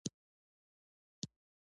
منګي سینګار وکړ زلمی دی نجلۍ